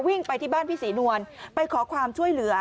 ไปที่บ้านพี่ศรีนวลไปขอความช่วยเหลือ